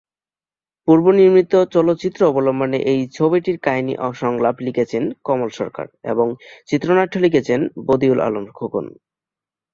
পূর্ব নির্মিত চলচ্চিত্র অবলম্বনে এই ছবিটির কাহিনী ও সংলাপ লিখেছেন কমল সরকার এবং চিত্রনাট্য লিখেছেন বদিউল আলম খোকন।